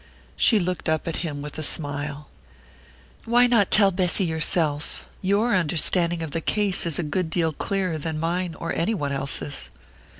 She looked up at him with a smile. "Why not tell Bessy yourself? Your understanding of the case is a good deal clearer than mine or any one else's."